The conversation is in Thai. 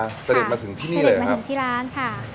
พระองค์พาเสด็จมาถึงที่นี่เลยครับเสด็จมาถึงที่ร้านค่ะ